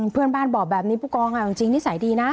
เพื่อนบ้านบอกแบบนี้ผู้กองจริงนิสัยดีนะ